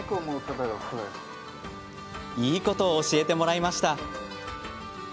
いいことを教えてもらいました。